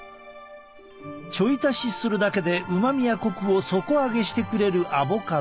ちょい足しするだけでうまみやコクを底上げしてくれるアボカド。